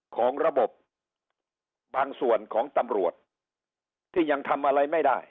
ของระบบบางส่วนของตำรวจที่ยังทำอะไรไม่ได้